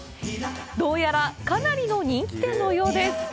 どうやら、かなりの人気店のようです。